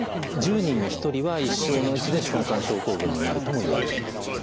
１０人に１人は一生のうちで手根管症候群になるともいわれてます。